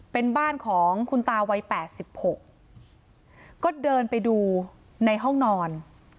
เป็นบ้านของคุณตาวัย๘๖ก็เดินไปดูในห้องนอน